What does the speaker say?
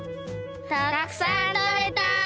たくさんとれた！